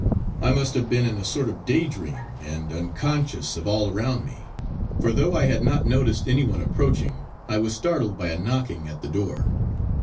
I must have been in a sort of day dream and unconscious of all around me; for, though I had not noticed any one approaching, I was startled by a knocking at the door.